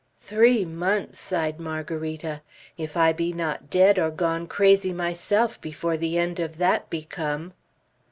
"Three months!" sighed Margarita. "If I be not dead or gone crazy myself before the end of that be come!"